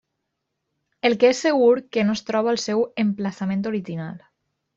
El que és segur que no es troba al seu emplaçament original.